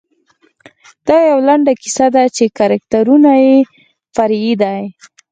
دا یوه لنډه کیسه وه چې کرکټرونه یې فرعي دي.